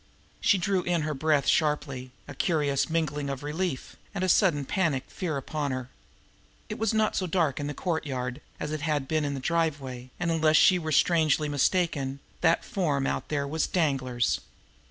She drew in her breath sharply, a curious mingling of relief and a sudden panic fear upon her. It was not so dark in the courtyard as it had been in the driveway, and, unless she were strangely mistaken that form out there was Danglar's.